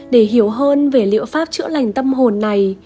để hiểu hơn về liệu pháp chữa lành tâm hồn này